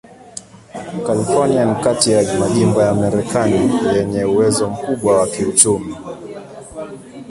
California ni kati ya majimbo ya Marekani yenye uwezo mkubwa wa kiuchumi.